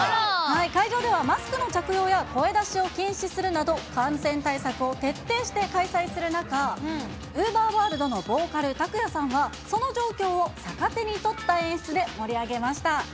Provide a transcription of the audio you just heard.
会場ではマスクの着用や声出しを禁止するなど、感染対策を徹底して開催する中、ＵＶＥＲｗｏｒｌｄのボーカル、ＴＡＫＵＹＡ∞さんは、その状況を逆手に取った演出で、盛り上げました。